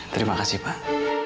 terima kasih pak